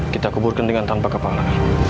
kita kuburkan dengan tanpa kepala